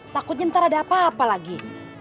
takutnya ntar ada apa apa lagi